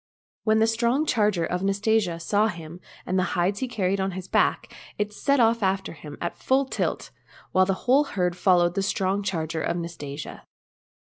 When the strong charger of Nastasia saw him land the hides he carried on his back, it set off after him at full tilt, and the whole herd followed the strong charger of Nastasia.